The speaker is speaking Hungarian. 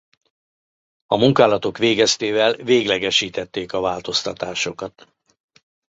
A munkálatok végeztével véglegesítették a változtatásokat.